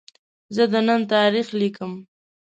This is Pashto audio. زه د نن تاریخ لیکم.